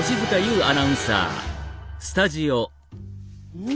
うん。